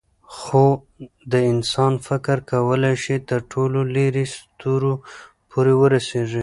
خو د انسان فکر کولی شي تر ټولو لیرې ستورو پورې ورسېږي.